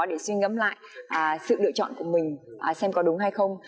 để xin ngắm lại sự lựa chọn của mình xem có đúng hay không